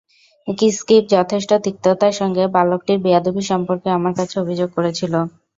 Skip যথেষ্ট তিক্ততার সঙ্গে বালকটির বেয়াদবি সম্পর্কে আমার কাছে অভিযোগ করেছিল।